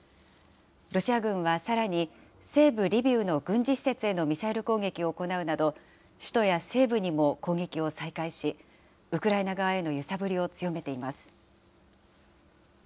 ロシア軍はさらに、西部リビウの軍事施設へのミサイル攻撃を行うなど、首都や西部にも攻撃を再開し、ウクライナ側への揺さぶりを強めています。